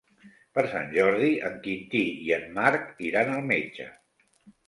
Per Sant Jordi en Quintí i en Marc iran al metge.